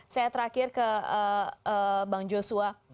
saya terakhir ke bang joshua